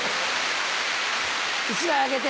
１枚あげて。